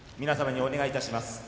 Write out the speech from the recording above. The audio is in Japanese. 皆様にお願いいたします。